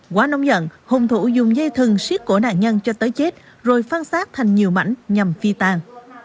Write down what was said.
quá nông nhận hung thủ dùng dây thừng siết cổ nạn nhân cho tới chết rồi phân xác thành nhiều mảnh nhằm phi tàng